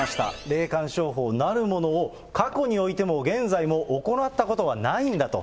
霊感商法なるものを過去においても現在も行ったことはないんだと。